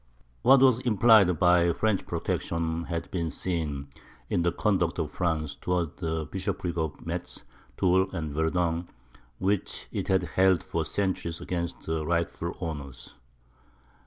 What was implied by French protection had been seen in the conduct of France towards the bishoprics of Metz, Toul, and Verdun, which it had held for centuries against the rightful owners.